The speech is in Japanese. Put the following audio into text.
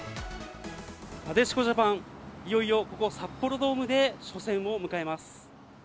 なでしこジャパン、いよいよここ、札幌ドームで初戦を迎えます。